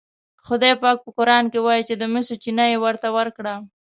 خدای پاک په قرآن کې وایي چې د مسو چینه یې ورته ورکړه.